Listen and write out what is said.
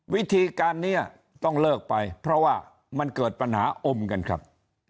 วิธีการนี้ต้องเลิกไปเพราะว่ามันเกิดปัญหาอมกันครับ